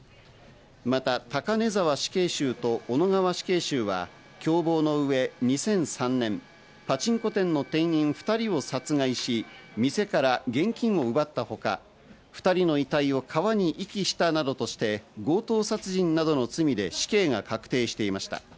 また高根沢死刑囚と小野川死刑囚は、共謀の上、２００３年、パチンコ店の店員２人を殺害し、店から現金を奪ったほか、２人の遺体を川に遺棄したなどとして強盗殺人などの罪で死刑が確定していました。